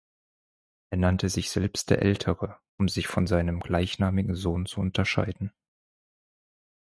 Er nannte sich selbst der Ältere, um sich von seinem gleichnamigen Sohn zu unterscheiden.